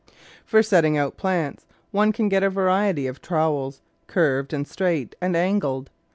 For setting out plants, one can get a variety of trow^els, curved, straight, and angled.